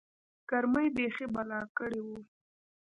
گرمۍ بيخي بلا کړې وه.